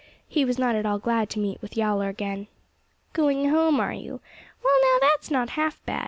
He was not at all glad to meet with Yowler again. "Going home, are you! Well, now, that's not half bad.